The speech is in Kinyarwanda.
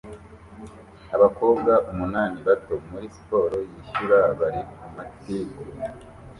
Abakobwa umunani bato muri siporo yishuri bari ku matiku